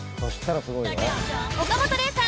岡本玲さん